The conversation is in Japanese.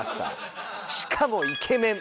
しかもイケメン。